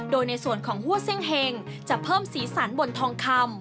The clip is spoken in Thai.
โดยในส่วนของหัวเซ่งเฮงจะเพิ่มสีสันบนทองคำ